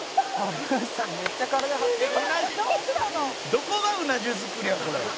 「どこがうな重作りやこれ」